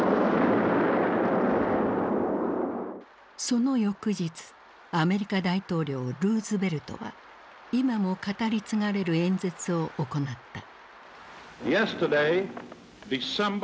その翌日アメリカ大統領ルーズベルトは今も語り継がれる演説を行った。